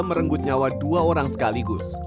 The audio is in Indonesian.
merenggut nyawa dua orang sekaligus